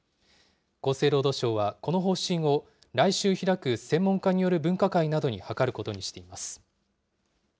厚生労働省はこの方針を来週開く専門家による分科会などに諮ることにしています。